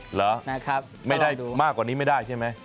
เหรอมากกว่านี้ไม่ได้ใช่ไหม